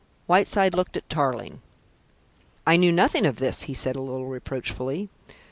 Whiteside looked at Tarling. "I knew nothing of this," he said a little reproachfully.